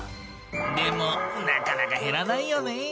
でもなかなか減らないよね。